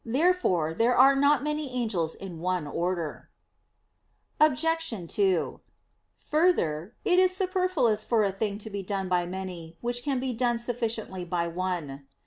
Therefore there are not many angels in one order. Obj. 2: Further, it is superfluous for a thing to be done by many, which can be done sufficiently by one.